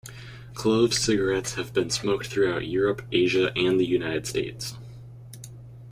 Clove cigarettes have been smoked throughout Europe, Asia and the United States.